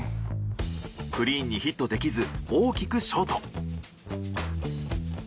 クリーンにヒットできず大きくショート。